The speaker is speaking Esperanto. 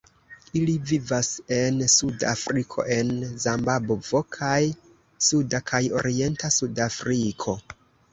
Ili vivas en Suda Afriko en Zimbabvo kaj suda kaj orienta Sudafriko.